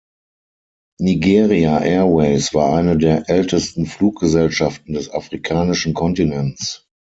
Nigeria Airways war eine der ältesten Fluggesellschaften des afrikanischen Kontinents.